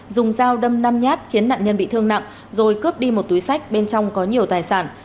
dùng dao đâm năm nhát khiến nạn nhân bị thương nặng rồi cướp đi một túi sách bên trong có nhiều tài sản